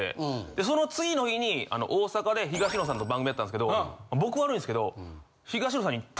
でその次の日に大阪で東野さんの番組やったんですけど僕が悪いんですけど東野さんに。